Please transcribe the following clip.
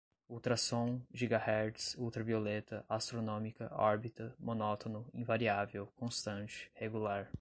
ultra-som, gigahertz, ultravioleta, astronômica, órbita, monótono, invariável, constante, regular